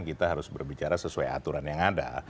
kita harus berbicara sesuai aturan yang ada